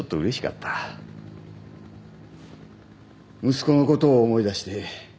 息子の事を思い出して。